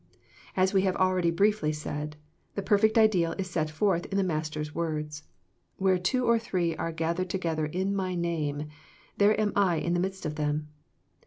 As we have already briefly said, the perfect ideal is set forth in the Master's words, " Where two or three are gathered together in My name, there am I in the midst of them."